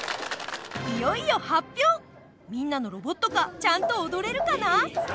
みんなのロボットカーちゃんと踊れるかな？